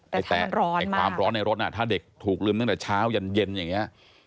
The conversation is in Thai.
ความร้อนในรถถ้าเด็กถูกลืมตั้งแต่เช้ายันเย็นอย่างนี้